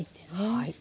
はい。